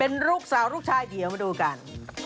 เป็นลูกสาวลูกชายเดี๋ยวมาดูกัน